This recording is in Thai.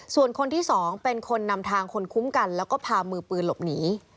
ส่วนคนที่๒เป็นคนนำทางคนคุ้มกันแล้วก็พามือปืนหลบหนี